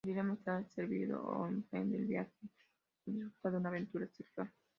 El dilema está servido: o emprende el viaje o disfruta de una aventura sexual.